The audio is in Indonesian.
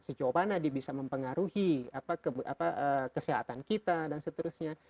sejauh mana dia bisa mempengaruhi kesehatan kita dan seterusnya